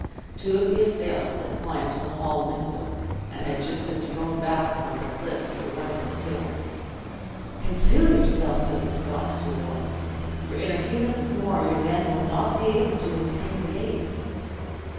Two of the assailants had climbed to the hall window; and had just been thrown back upon the cliffs, where one was killed. "Conceal yourself," said the Scots to Wallace; "for in a few minutes more your men will not be able to maintain the gates."